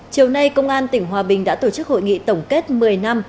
chiều nay công an tỉnh hòa bình đã tổ chức hội nghị tổng kết một mươi năm